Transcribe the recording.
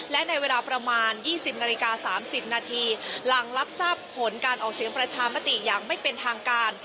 และในเวลาประมาณ๒๐นาฬิกา๓๐นาทีหลังรับทราบผลการออกเสียงประชามติอย่างไม่เป็นทางการ